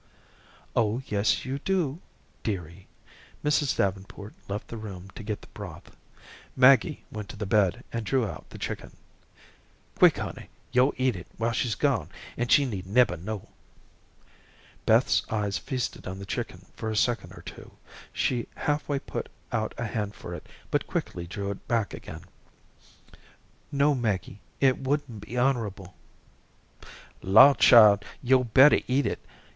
"Oh, yes, you do, dearie." Mrs. Davenport left the room to get the broth. Maggie went to the bed and drew out the chicken. "Quick, honey, yo' eat it while she's gone and she need neber know." Beth's eyes feasted on the chicken for a second or two. She halfway put out a hand for it, but quickly drew it back again. "No, Maggie, it wouldn't be honorable." "Law, child, yo'd bettah eat it.